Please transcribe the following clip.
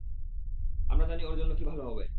আমরা জানি ওর জন্য কি ভালো হবে।